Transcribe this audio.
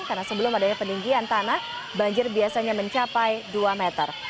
karena sebelum adanya peninggian tanah banjir biasanya mencapai dua meter